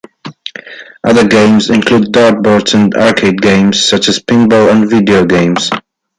Other games include dart boards and arcade games such as pinball and video games.